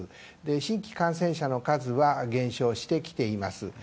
新規感染者の数は減少してきています。